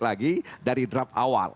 lagi dari draft awal